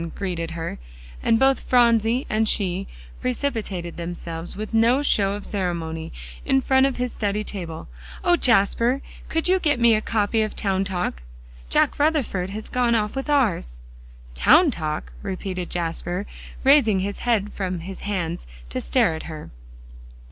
greeted her, and both Phronsie and she precipitated themselves with no show of ceremony, in front of his study table. "O Jasper! could you get me a copy of "Town Talk?" Jack Rutherford has gone off with ours." "Town Talk!" repeated Jasper, raising his head from his hands to stare at her.